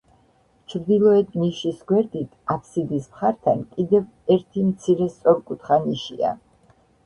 ჩრდილოეთ ნიშის გვერდით, აფსიდის მხართან კიდევ ერთი მცირე სწორკუთხა ნიშია.